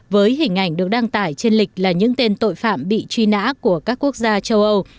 với hình ảnh được đăng tải trên lịch là những tên tội phạm bị truy nã của các quốc gia châu âu